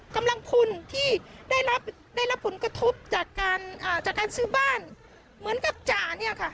กำลังพลที่ได้รับได้รับผลกระทบจากการจากการซื้อบ้านเหมือนกับจ่าเนี่ยค่ะ